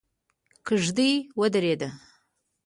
کېږدۍ ودرېده.